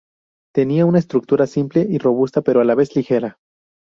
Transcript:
Tenía una estructura simple y robusta, pero a la vez ligera.